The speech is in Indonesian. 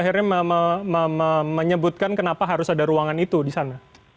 akan analisis lain begitu akhirnya menyebutkan kenapa harus ada ruangan itu di sana